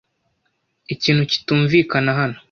Ikintu kitumvikana hano.